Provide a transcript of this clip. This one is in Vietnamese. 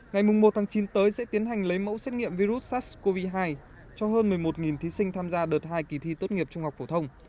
ngày một tháng chín tới sẽ tiến hành lấy mẫu xét nghiệm virus sars cov hai cho hơn một mươi một thí sinh tham gia đợt hai kỳ thi tốt nghiệp trung học phổ thông